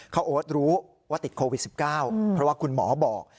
โอ๊ตรู้ว่าติดโควิด๑๙เพราะว่าคุณหมอบอก